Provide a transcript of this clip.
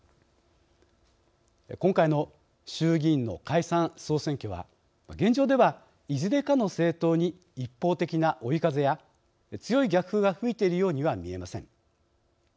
今回の衆議院の解散・総選挙は現状では、いずれかの政党に一方的な追い風や強い逆風が吹いているようには見えません。